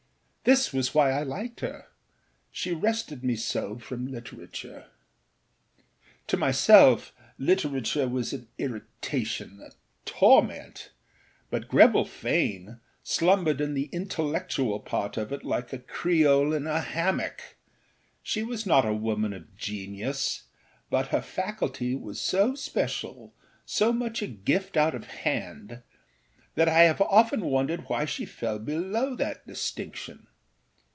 This was why I liked herâshe rested me so from literature. To myself literature was an irritation, a torment; but Greville Fane slumbered in the intellectual part of it like a Creole in a hammock. She was not a woman of genius, but her faculty was so special, so much a gift out of hand, that I have often wondered why she fell below that distinction.